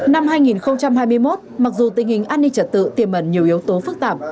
năm hai nghìn hai mươi một mặc dù tình hình an ninh trật tự tiềm ẩn nhiều yếu tố phức tạp